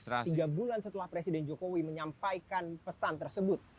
tiga bulan setelah presiden jokowi menyampaikan pesan tersebut